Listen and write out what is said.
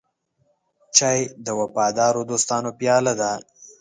چای د وفادارو دوستانو پیاله ده.